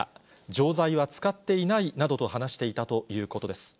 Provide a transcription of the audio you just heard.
錠剤は使っていないなどと話していたということです。